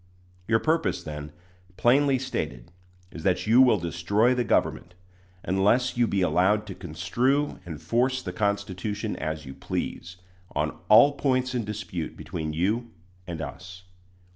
Your purpose, then, plainly stated, is that you will destroy the government, unless you be allowed to construe and force the Constitution as you please, on all points in dispute between you and us.